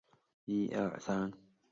它们曾生活在留尼旺及毛里裘斯。